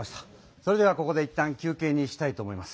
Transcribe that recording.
それではここでいったん休けいにしたいと思います。